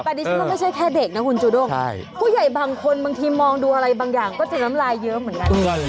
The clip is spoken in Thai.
อันนี้ฉันว่าไม่ใช่แค่เด็กนะคุณจูด้งผู้ใหญ่บางคนบางทีมองดูอะไรบางอย่างก็จะน้ำลายเยอะเหมือนกัน